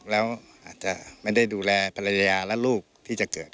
แล้วอาจจะไม่ได้ดูแลภรรยาและลูกที่จะเกิด